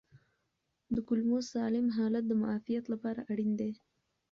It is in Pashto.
د کولمو سالم حالت د معافیت لپاره اړین دی.